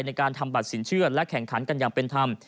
ในการทำบัตรสินเชื่อและแข่งขันกันอย่างเป็นธรรม